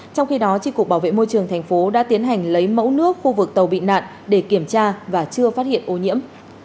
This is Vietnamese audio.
trong khi đó tri cục bảo vệ môi trường thành phố đã tiến hành lấy mẫu nước khu vực tàu bị nạn để kiểm tra và chưa phát hiện ô nhiễm